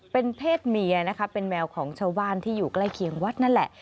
เป็นเพศเมียนะคะเป็นแมวของชาวบ้านที่อยู่ใกล้เคียงวัดนั่นแหละ